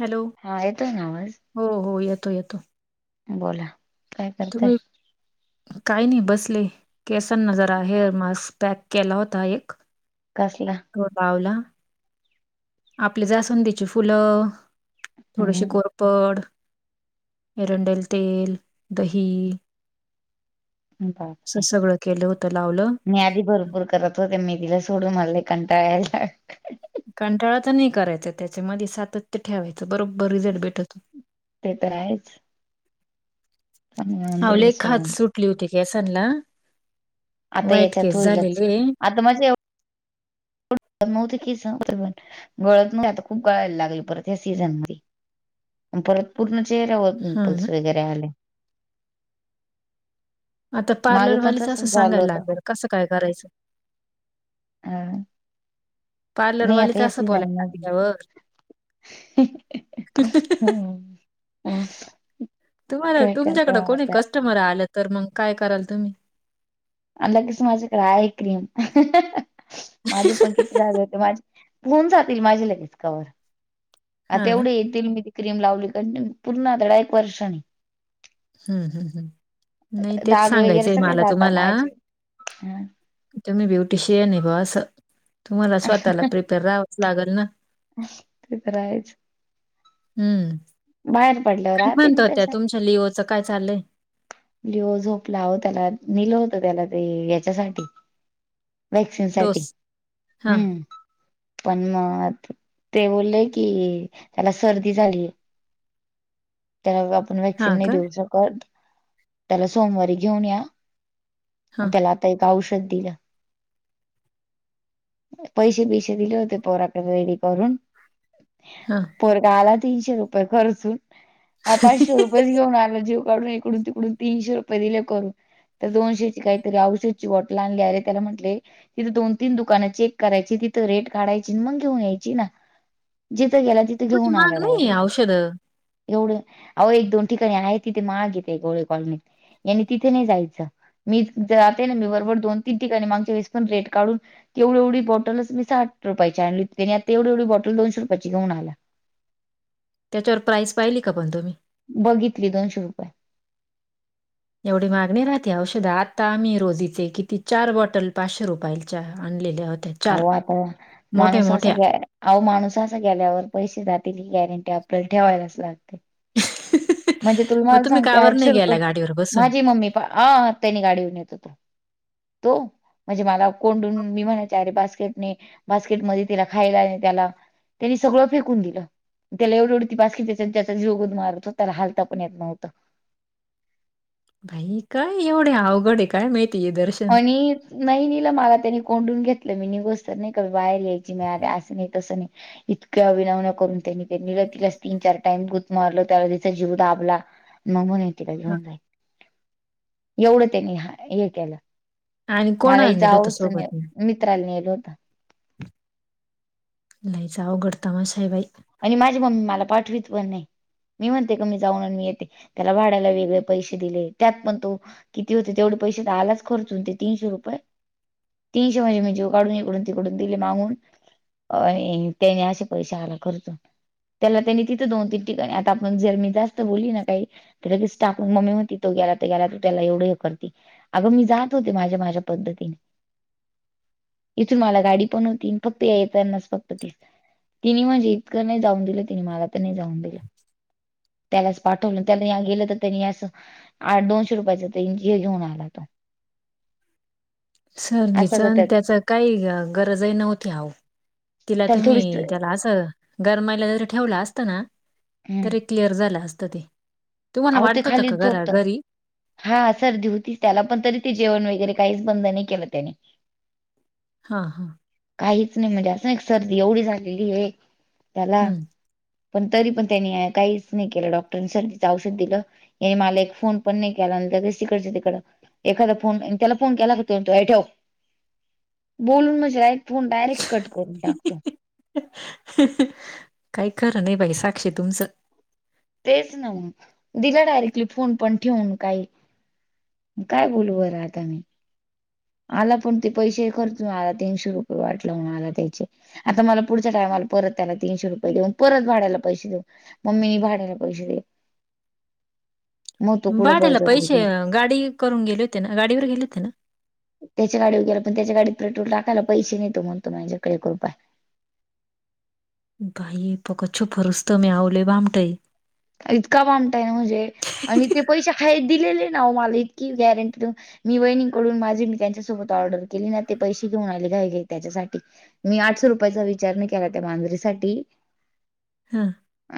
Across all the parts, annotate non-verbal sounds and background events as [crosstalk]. Hello! हा, येतोय ना आवाज? हो हो येतो येतो. बोला. काय करताय तुम्ही, काही नाही बसले. केसांना जरा हेअर मास्क पॅक केला होता एक. कसला? तो लावला. आपले जास्वंदीची फुलं थोडीशी हम्म कोर पड एरंडेल तेल, दही असं बापरे सगळं केलं होतं लावलं. मी आधी भर पूर करत होते, मी दिलं सोडून मला लय कंटाळा याय‌ला कंटाळा तर नाही करायचा, त्याच्यामध्ये सातत्य ठेवायचं बरोबर रिझल्ट भेट ते तर आहेच. पण मिळून आव दिले लय खाज सोडून सुटली होती केसानला आता वाईट याच्यात केस होईलच झालेले. आता माझ नव्हती केस गळत खूप गळायला लागली परत या सीझन मध्ये. परत पूर्ण चेहऱ्यावर हां ना. पिंपल्स वगैरे आले. आता मागे पण पार्लरवालीच असं तसच झालं सांगायला होत लागेल कसं काय करायचं. हा. नाही आता पार्लरवालीच हे असं बोलायला सीझनमध्ये लागल्यावर हम.. तुम्हाला काय करता तुमच्याकडे आता कोणी कस्टमर आलं तर मग काय कराल तुम्ही? अगचं माझ्याकडं आहे क्रीम. माझे पण किती डाग होते. माझे होऊन जातील माझे लगेच कवर आता हा ना? एवढी येतील मी ती क्रीम लावली कणी पूर्ण अर्धा एक वर्षानी हम् हम् ह् नाही तेच सांगायचंय माला तुम्हाला. हम् तुमी ब्युटिशियन आहे ब असं तुम्हाला स्वतःला प्रिपेअर राहावंच लागन ना ते तर आहेच. हम्म, बाहेर पडल्यावर काय राहते म्हणत मी होत्या तशा तुमच्या लिओच काय चालय लिओ झोपला वो‌ त्याला निलं होत त्याला ते याच्यासाठी वॅक्सिन साठी, डोस. हां. हम्म पण मग ते बोलले की त्याला सर्दी झालीय. त्यामुळे आपण वॅक्सिन हां नाही का? देऊ शकत त्याला सोमवारी घेऊन या. हां, त्याला आता एक औषध दिलं पैसे बिसे दिले होते पोराकडे रेडी करून हा पोरगा‌ आला तीनशे रुपये खर्चून पाचशे रुपयेच घेऊन आलो जीव काढून तिकडून तीनशे रुपये दिले करून. तर दोनशेची काहीतरी औषधची बॉटल आणली आहे त्याला म्हटले इथ दोन तीन दुकान आहेत. चेक करायची तिथ रेट काढाय म घेऊन यायची ना जिथं गेलाथ. ते एवढी घेऊन महाग आला नाहीये डायरेक्ट. औषधं. एवढं, अहो एक दोन ठिकाणी आहे तिथे माहाग येते गोळे कॉलनीत. यांनी तिथे नाही जायचं मी जाते ना मी बरोबर दोन तीन ठिकाणी मागच्या वेळेस पण रेट काढून ऐवढी एवढी बटलच मी साठ रुपयाची आणली त्यानी आता एवढी‌‌ एवढी बॉटल दोनशे रुपयाची घेऊन आला त्याच्यावर प्राईस पाहिली का पण तुम्ही? बघितली दोनशे रुपये. एवढी महाग नाही राहते औषध आता आम्ही रोजीचे किती चार बॉटल पाचशे रुपयाच्या आणलेल्या होत्यातं हो आता माणूस असं ग अव माणूस असं गेल्यावर पैसे जातील ही गॅरंटी आपल्याला ठेवायलाच लागतं ह. म्हणजे तुला मला सांगते आठशे रुपये, बसून? माझी मम्मी आं त्यांनी गाडीऊन येत होतं तो म्हणजे मला कोंडून मी म्हणायचे अरे बास्कट ने बास्केट मध्ये तिला खायला आणि त्याला त्यांनी सगळं फेकून दिलं त्याला एवढी एवढ ती बास्केट त्याचा जीव गुदमरतो. त्याला हालता पण येत नव्हतं. बाई, काय एवढे अवघड काय माहिती दर्श आणि.. नाही निलम आला त्यानी कोंडून घेतलं मी निघोस तर नाही का बाहेर यायची म आर असं नाही तसं नाही इतक्या विनवण्या करून त्यांनी त्यांनी तिलास तीन चार टाइम गुदमरलं त्याला तिचा जीव दाबला. मग म्हूणन येती का हां. घेऊन जाईन एवढं त्यांनी हे केलं. आणि कोण मला आणील होत जावंच नाही सोबत. मित्राला नेलं होतं लयच अवघड तमाशा आहे बाई. आणि माझी मम्मी मला पाठवीत पण नाही. मी म्हणते क मी जाऊन मी येते त्याला भाड्याला वेगळे पैसे दिले त्यात पण तो किती होते तेवढे पैसे तर आलाच खर्चून ते तीनशे रुपये. तीनशे म्हणजे मी जीव काढून इकडून तिकडून दिले मागून. अ त्याने असे पैसे आला खर्च त्याला त्यांनी तिथं दोन तीन ठिकाणी आता आपण जर मी जास्त बोलली ना काही त्याला दिसतं मम्मी म्हणती तो गेला तो गेला त्याला एवढे हे करती. अगं मी जात होते माझ्या माझ्या पद्धतीने. इथून मला गाडी पण होती फक्त या येतानाच फक्त ते तिने म्हणजे. का नाही जाऊन दिलं तिने मला तर नाही जाऊन दिलं. त्यालाच पाठवलं त्याला या गेलं तर त्यांनी असं आठ दोनशे रुपयाचा ते इ हे घेऊन आला तो. सर्दीच असं आणि तर त्याच काही गरजही नव्हती आहो. तिला त्याला थोडीच तुम्ही त्याला असं घर महिलेला जरी ठेवला असत ना हम्म तरी क्लिअर झालं असत ते. तुम्हाला अहो ते वाढत होता खाली का घरा झोपत घरी. हा सर्दी होतीच त्याला पण तरी ते जेवण वगैरे काहीच बंद नाही केलं त्याने. हा हा. काहीच नाही म्हणजे असं ना एक सर्दी एवढी झालेली आहे त्याला. हं. पण तरी पण त्यांनी काहीच नाही केलं डॉक्टरां सर् च औषध दिलं या मला एक फोन पण नाही केला त्यानं तिकडच्या तिकडं. एखादा फोन त्याला फोन केला तो, तो..... ये ठेव बोलून म्हणजे नाय फोन डायरेक्ट कट करून टाकतो. काय खर नाही बाई साक्षी तुमचं. तेच नव दिला डायरेक्टली फोन पण ठेवून काही. काय बोलू बरं आता मी. आला पण ते पैसे खर्चून आला तीनशे रुपये वाट लावून आला त्याचे. आता मला पुढच्या टायमाला परत त्यांना तीनशे रुपये देऊन परत भाडयला पैसे देऊन मम्मी नि भाडे्याला पैस दे. मग तो कुठं बाडाला बळजबरी पैसे झाला गाडी करून गेले होते ना गाडीवर गेले होते ना त्याच्या गाडीवर गेला पण त्याच्या गाडीत पेटूर टाकायला पैसे नेतो म्हणतो माझेकडे कृपय. बाई पुका छुपा रुस्तम आहे लय भामटा आहे. इतका भामटा ना म्हणजे आणि ते पैसे काा दिलेले ना मला इतकी गॅरंटी मी वहिणीकडून माझी मी त्यांच्यासोबत ऑर्डर केली ना ते पैसे घेऊन आले काय त्याच्यासाठी. मी आठशे रुपयाचा विचार नाही केला त्या मांजरीेसाठी. हा.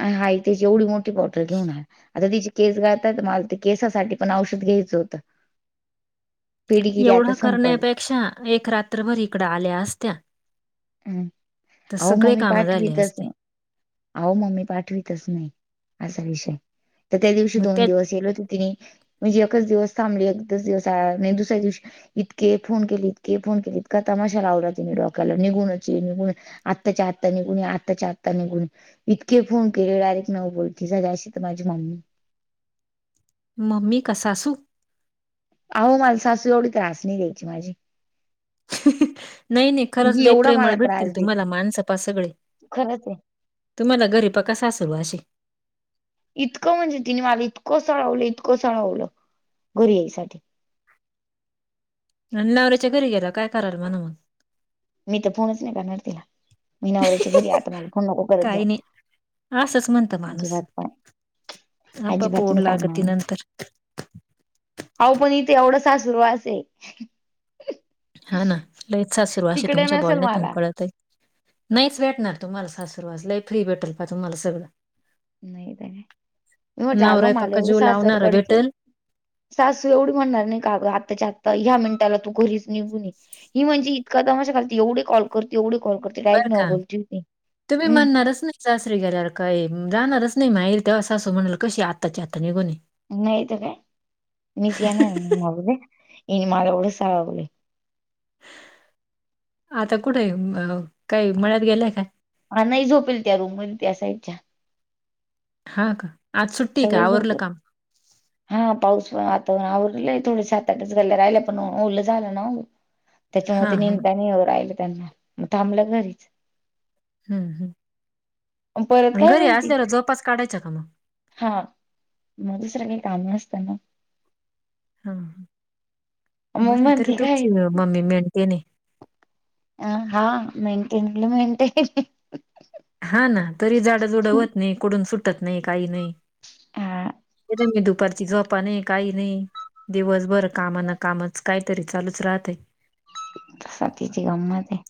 अ हाय ते एवढी मोठी टल घेऊन आता ति केस गातात मला ते केसासाठी पण औषध घ्यायचं होतं. [inaudible] आता एवढं संपल. करण्यापेक्षा एक रात्रभर इकड आल्या असत्या. हम् तर हो सगळे मम्मी कामं पाठवी झाले तस असते अहो मम्मी पाठवितच नाही असा विषय तर त्या दिवशी मग दोन त्या दिवस यलो होत तिने म्हणजे एकच दिवस थांबली एकच दिवस आणि दुसऱ्या दिवशी. इतके फोन केली इके फोन केली इक का तमाशा वडात निडोकालला निघूनची निघून आत्ताच्या आत्ता निघून आत्ताच्या आत्ता निघून इतके फोन केले डायरेक्ट नव बोलते झा अशी तर माझी मम्मी मम्मी कसा सूख. अहो मला सासू एवढी त्रास नाही घ्यायची माझी नाही नाही खरंच जी लले एवढा मला प्रेमळ त्रास भेटतील तुम्हाला देते मानसपा सगळे. खरंच आहे. तुम्हाला गरीिपा कसा सुरू अशी. इतकं म्हणजे तिने मला इतकं सळवलं इतकं सळवलं घरी यायसाठी. नण नवर्याच्या घरी गेला काय करायल म्हणा म्हून. मी तर फोनच नाही का नरतीला. मीनावरच्या घरी आता मला फोन नको करत काही नाही असंच म्हणतं जाऊ माणूस अजिबात प अज आपाप ओढ पतनी लागती करणार नंतर हो पण इथे एवढंसा सुरू अस आहे हा ना लई सासरू अशी तिकडे तुमच्या नसेल बोलण्यात तुून मला कळत आहे नाहीच भेटणार तुम्हाला सासूर वाचला फ्री भेटेल प तुम्हाला सगळं नाही नाही मी म्हटलं अगं मला नवरायपक्का एवढी जीव सासर लावणारा कडची भेटेल, सासू एवढी म्हणणार नाही का आताच्या आत्ता ह्या मिनिटाला तू घरीच निघून ये ही म्हणजे इकंदा माझ्या खाल एवढ कॉल करते एवढ कॉल करते बर डायरेक्ट न काम बोलती होती. तुम्ही हम्म म्हणणारच नाही सासरी गेल्यावर काही राहणारच नाही माहि तेव्हा सासू म्हणाल कशी आताची आता निघून नयत का मीझनाग इन माझ उड सहागली आता कुठे आहे अ काही मळ्यात गेलाय का हा नाही झोपेल त्या रूमवर त्या साईडच्या हा का आज सुट्टी आहे का? सग आवरलं काम? हा पाऊस पण वातावरण आवरलंय थोडे सात आठच गाल्या राहिले पण ओललं झालं ना त्याच्या हां, म हां. निमतानी ये राहिल त्यांना मग थांबलं घरीच. हम्म मग परत हम् काय घरी म्हणती असल्याला जोपास काढायचा का मग हा मग दुसरं काही काम नसतं ना हा मग बरं तरी म्हणती काय तुमची मम्मी मेणते नाही. अ हा मेंटेन मेंटेन. हा ना तरी जाडंजुडं होत नाही कोडून सुटत नाही काही नाही. हा ते मे दू परचीि गपाने. काही नाही दिवसभर कामाना कामच काहीतरी चालूच राहतय स्वाती ची गंमत आहे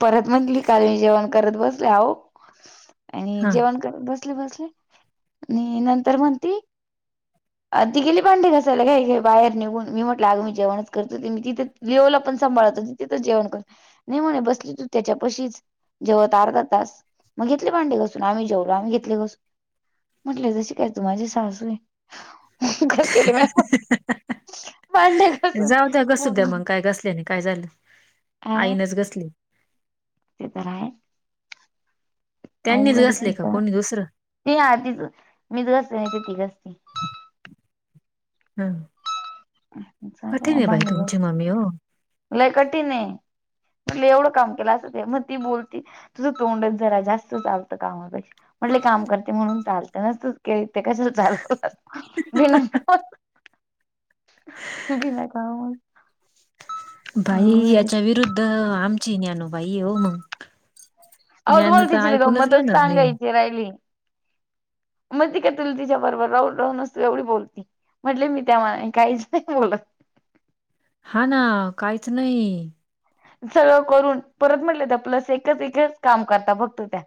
परत म्हटली काल मी जेवण करत बसले हो आणि हां. जेवण बसले बसले आणि नंतर म्हणती अ ती गेली भाडीडे घासायला काय का बाहेर निघून मी म्हटलं अग म जेणच करतो मी तथंच विओला पण सांभाळत हो तिथं जेवण कर नाही म्हणे बसली तू त्याच्या पशीच. जेवत अर्धा तास मग घेतले भांडे घसून आम्ही जेवलो आम्ही घेतले घसून म्हटले तशी काय तू माझी सासूवी भांडे घासून जाऊ द कसू द्या मग काय कसले नाही. काय झालं आईनच घसली. त्यांनीच घसले का कोणी दुसरं आहेड. ती ह तीच मीच घसते नाही ती घसती. ह कठीन आहे बाई तुमची मम्मी हो लाय कठीण आहे तुला एवढं काम केलं असत मग ती बोलती तुझं तोंडच जरा जास्त चालतं कामापेक्षा म्हटले काम करते म्हणून चालत नसतै ते कशा चालव घ नाही का बाई याच्या विरुद्ध आमची ज्ञानो बाई हो मग हो त ज्ञान बोल तर तिची ऐकूनच गंमतच घेणार नाही सांगायची राहिली महिती काय तु तिच्या बरोबर राहून राह नस एवढी बोलती म्हटले मी त्या काहीच नाही बोलत हा ना काहीच नाही सगळं करून परत म्हटले त्या प्लस एकच एकच काम करता फक्त त्या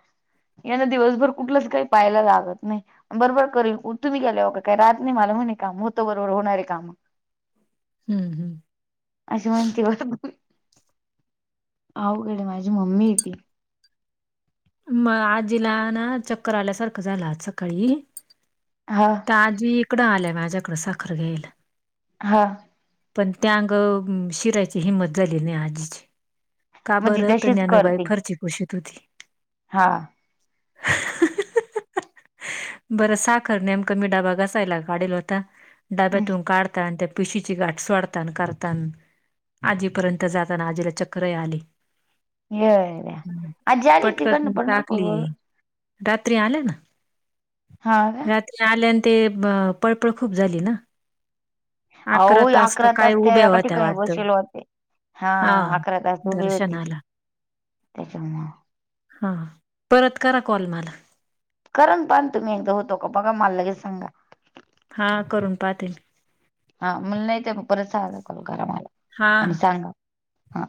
यांना दिवसभर कुठलंच काही पाहायला लागत नाही बरोबर करील तुम्ही गेल्या हो कां काय रात नाही मला म्हणे काम होतं बरोबर होणारे काम [unintelligible] हम्म हम्म अशी म्हणती बघ अवघड आहे माझी मम्मी होेतती मग आजीला ना चक्कर आल्यासारखं झालं आज सकाळी हा आज्जी इकडं आल्याय माझ्याकडं साखर घेईल. हा पण त्या अग शिरायची हिंमत झाली नाही आजीची का मग ती बरं तशीच ज्ञानूबाई फरशी पुसात होते. हां बरं साखर नेम कमी डबा घसायला काढलं होता डाब्यातून काढता आणि ते पिशीची गाठस सोडतना करताना आजीपर्यंत जाताना आजीला चक्र आली येड्या आजी आली का तिकडनं पटकन पंढरपूर टाकली वरून रात्री आल्या ना हा आल्यान ते पळपळ खूप झाली ना अकरा का ओअकरा तास काय त्या उभ्या एका होत्या ठिकाणी वाटतं बसेल होते. हा अकरा तास उभी होती दर्शनाला ती त्याच्यामुंळे हां परत करा कॉल मला कराणा पण तुम्ही एकदा होतो का बघा मला सांगा हा करून पाहते हा मला नाही तर परत सागा करू करा मला हा आणि हा सांगा हा